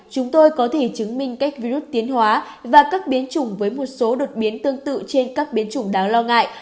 chúng tôi có thể chứng minh cách virus tiến hóa và các biến chủng với một số đột biến tương tự trên các biến chủng đáng lo ngại